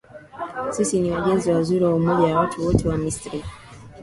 sisi ni wajenzi wazuri wa umoja wa watu wote wa misri